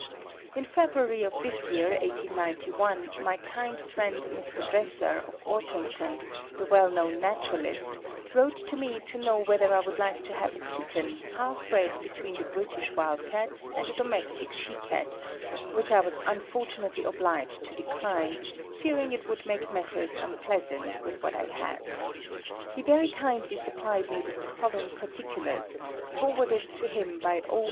In February of this year, 1891, my kind friend, Mr. Dresser, of Orpington, the well known naturalist, wrote to me to know whether I would like to have a kitten half bred between the British Wild Cat and a domestic she Cat, which I was unfortunately obliged to decline, fearing it would "make matters unpleasant" with what I had. He very kindly supplied me with the following particulars forwarded to him by O.